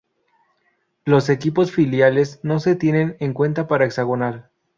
Los equipos filiales no se tienen en cuenta para hexagonal.